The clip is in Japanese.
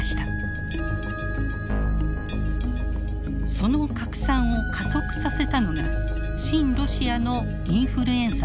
その拡散を加速させたのが親ロシアのインフルエンサーたち。